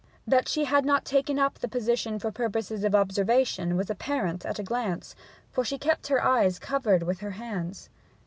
That she had not taken up the position for purposes of observation was apparent at a glance, for she kept her eyes covered with her hands.